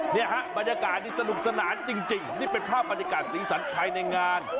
เนี่ยฮะบรรยากาศนี่สนุกสนานจริงนี่เป็นภาพบรรยากาศสีสันภายในงาน